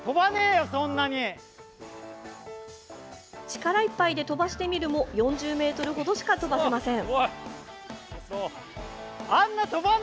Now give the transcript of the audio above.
力いっぱいで飛ばしてみるも４０ｍほどしか飛ばせません。